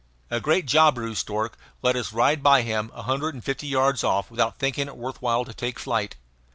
A great jabiru stork let us ride by him a hundred and fifty yards off without thinking it worth while to take flight.